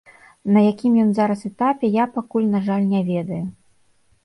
На якім ён зараз этапе, я пакуль, на жаль, не ведаю.